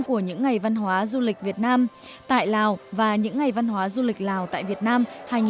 của những ngày văn hóa du lịch việt nam tại lào và những ngày văn hóa du lịch lào tại việt nam hai nghìn hai mươi bốn